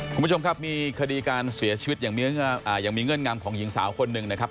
คุณผู้ชมครับมีคดีการเสียชีวิตอย่างมีเงื่อนงำของหญิงสาวคนหนึ่งนะครับ